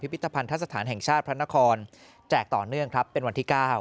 พิธภัณฑสถานแห่งชาติพระนครแจกต่อเนื่องครับเป็นวันที่๙